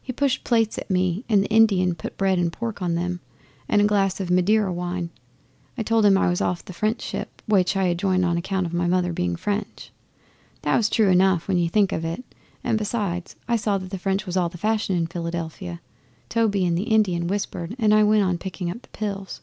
He pushed plates at me and the Indian put bread and pork on them, and a glass of Madeira wine. I told him I was off the French ship, which I had joined on account of my mother being French. That was true enough when you think of it, and besides I saw that the French was all the fashion in Philadelphia. Toby and the Indian whispered and I went on picking up the pills.